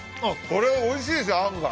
これはおいしいです、あんが。